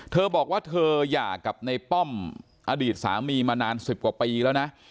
เธอบอกว่าเธอหย่ากับในป้อมอดีตสามีมานาน๑๐กว่าปีแล้วนะ